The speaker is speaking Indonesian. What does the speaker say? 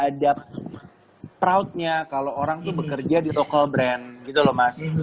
saya ngerasa kok semakin nggak ada proudnya kalau orang tuh bekerja di local brand gitu loh mas